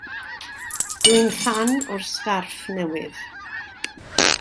Dwi'n ffan o'r sgarff newydd.